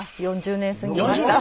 ４０年過ぎました。